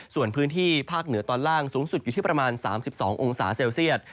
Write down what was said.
ส่วนพื้นที่ภาคเหนือตอนล่างสูงสุดอยู่ที่ประมาณ๓๒องศาเซลเซียต